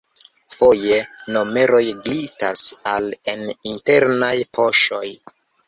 Foje, moneroj glitas al en internaj poŝoj.